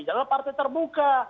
janganlah partai terbuka